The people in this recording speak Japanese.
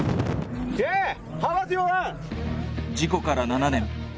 事故から７年。